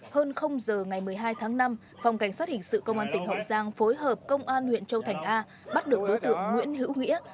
hơn giờ ngày một mươi hai tháng năm phòng cảnh sát hình sự công an tỉnh hậu giang phối hợp công an huyện châu thành a bắt được đối tượng nguyễn hữu nghĩa